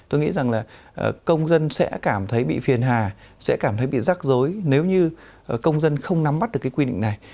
tôi nghĩ rằng là công dân sẽ cảm thấy bị phiền hà sẽ cảm thấy bị rắc rối nếu như công dân không nắm bắt được cái quy định này